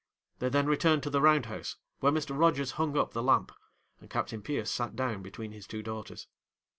They then returned to the round house, where Mr. Rogers hung up the lamp, and Captain Pierce sat down between his two daughters.